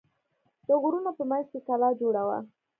د غرونو په منځ کې کلا جوړه وه.